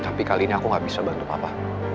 tapi kali ini aku gak bisa bantu papa